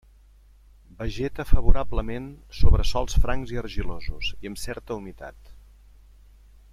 Vegeta favorablement sobre sòls francs i argilosos, i amb certa humitat.